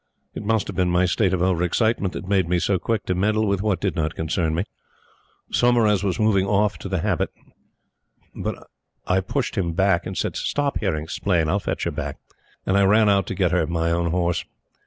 It must have been my state of over excitement that made me so quick to meddle with what did not concern me. Saumarez was moving off to the habit; but I pushed him back and said: "Stop here and explain. I'll fetch her back!" and I ran out to get at my own horse.